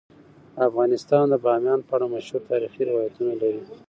افغانستان د بامیان په اړه مشهور تاریخی روایتونه لري.